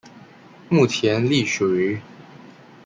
目前隶属于。